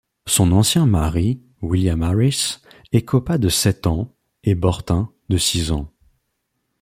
Son ancien mari, William Harris, écopa de sept ans, et Bortin de six ans.